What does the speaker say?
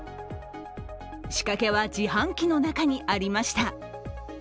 仕掛けは自販機の中にありました。